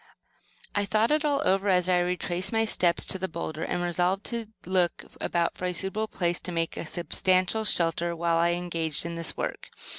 I thought it all over as I retraced my steps to the boulder, and resolved to look about for a suitable place to make a substantial shelter while engaged in the work.